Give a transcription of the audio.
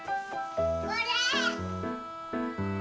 これ！